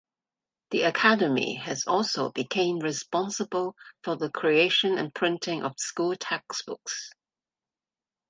The Academy has also became responsible for the creation and printing of school textbooks.